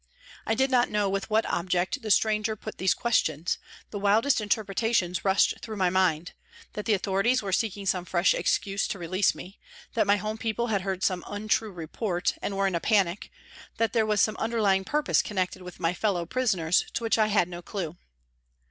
I did not know with what object the stranger put these questions, the wildest interpretations rushed through my mind that the authorities were seeking some fresh excuse to release me, that my home people had heard some untrue report and were in a panic, that there was some underlying purpose connected with my fellow prisoners, to which I had no clue.